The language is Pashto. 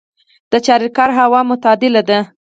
د چاریکار هوا معتدله ده